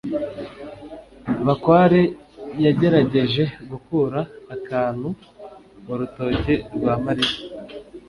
bakware yagerageje gukura akantu mu rutoki rwa mariya